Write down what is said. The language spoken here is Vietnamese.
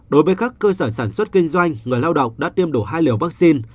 đối với các cơ sở sản xuất kinh doanh người lao động đã tiêm đủ hai liều vaccine